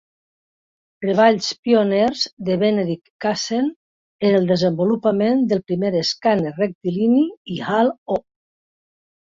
Treballs pioners de Benedict Cassen en el desenvolupament del primer escàner rectilini i Hal O.